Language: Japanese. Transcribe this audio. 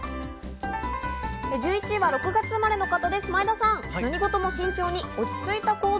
１１位は６月生まれの方です、前田さん。